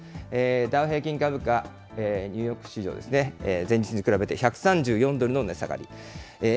ダウ平均株価、ニューヨーク市場ですね、前日に比べて１３４ドルの値下がり。